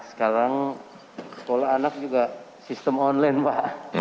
sekarang sekolah anak juga sistem online pak